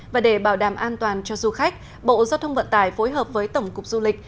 và để bảo đảm an toàn cho du khách bộ giao thông vận tải phối hợp với tổng cục du lịch